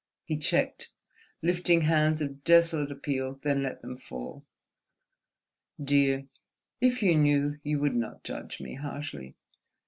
He checked, lifting hands of desolate appeal, then let them fall. "Dear, if you knew you would not judge me harshly.